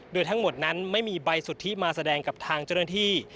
โดยทั้งหมดนั้นไม่มีใบสุทธิมาแสดงกับทางเจ้าหน้าที่